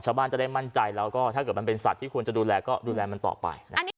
ชาวบ้านจะได้มั่นใจแล้วก็ถ้าเกิดมันเป็นสัตว์ที่ควรจะดูแลก็ดูแลมันต่อไป